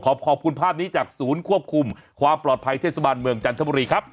ขอบคุณภาพนี้จากศูนย์ควบคุมความปลอดภัยเทศบาลเมืองจันทบุรีครับ